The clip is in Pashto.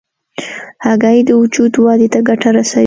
هګۍ د وجود ودې ته ګټه رسوي.